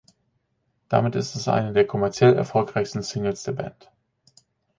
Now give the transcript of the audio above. Damit ist es eine der kommerziell erfolgreichsten Singles der Band.